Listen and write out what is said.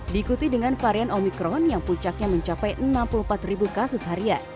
diikuti dengan varian omikron yang puncaknya mencapai enam puluh empat ribu kasus harian